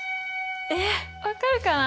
えっ分かるかな？